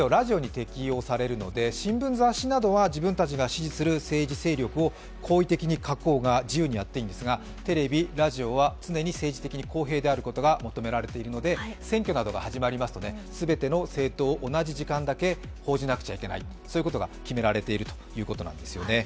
新聞・雑誌などは自分たちが支持する政治勢力を好意的に書こうが自由にやっていいんですが、テレビラジオは常に政治的に公平であることが求められているので選挙などが始まりますと全ての政党を同じ時間だけ報じなくちゃいけないということが決められているということなんですよね。